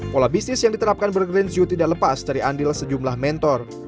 pola bisnis yang diterapkan bergranzoo tidak lepas dari andil sejumlah mentor